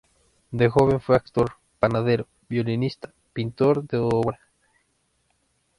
De joven fue actor, panadero, violinista, pintor de obra.